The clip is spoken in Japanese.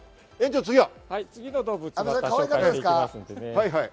阿部さん、かわいかったですか？